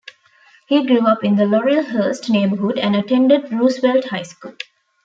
He grew up in the Laurelhurst neighborhood and attended Roosevelt High School.